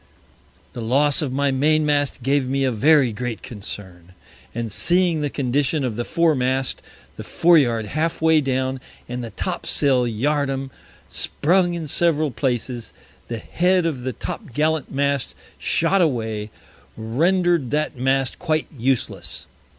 The Loss of my Main mast gave me a very great Concern, and seeing the Condition of the Fore mast, the Fore yard half way down, and the Top sail Yard arm sprung in several Places, the Head of the Top gallant Mast shot away, render'd that Mast quite useless.